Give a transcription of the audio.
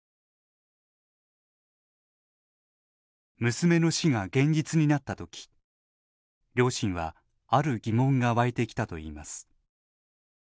娘の死が現実になった時両親は、ある疑問が湧いてきたといいます。